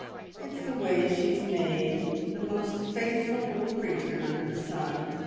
It's the way she's made the most faithful little creature under the sun!